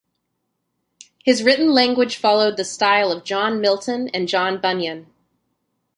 His written language followed the style of John Milton and John Bunyan.